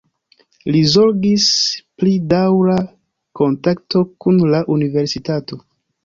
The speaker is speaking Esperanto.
Li zorgis pri daŭra kontakto kun la Universitato.